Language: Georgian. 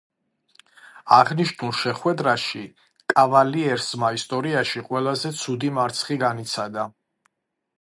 აღნიშნულ შეხვედრაში კავალიერსმა ისტორიაში ყველაზე ცუდი მარცხი განიცადა.